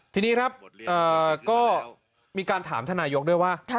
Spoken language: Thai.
ทีนี้ครับก็มีการถามท่านนายกด้วยว่า